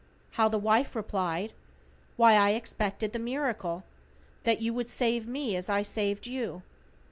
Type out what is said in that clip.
How the wife replied: "Why, I expected the miracle. That you would save me as I saved you.